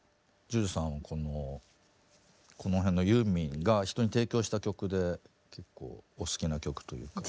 ＪＵＪＵさんはこのこの辺のユーミンが人に提供した曲で結構お好きな曲というか。